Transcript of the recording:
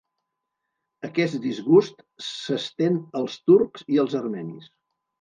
Aquest disgust s'estén als turcs i als armenis.